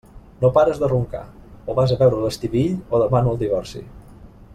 No pares de roncar: o vas a veure l'Estivill o demano el divorci.